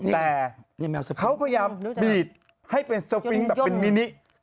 แต่เขาพยายามบีดให้เป็นสปิงค์แบบเป็นมินิ